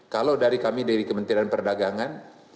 kalau dari kami dari kementerian perdagangan